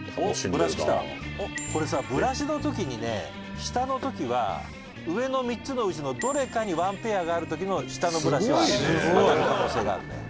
「これさブラシの時にね下の時は上の３つのうちのどれかに１ペアがある時の下のブラシは当たる可能性があるんだよ」